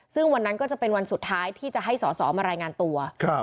ซึ่งวันนั้นก็จะเป็นวันสุดท้ายที่จะให้สอสอมารายงานตัว